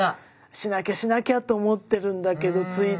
しなきゃしなきゃと思ってるんだけどついついしなくてね。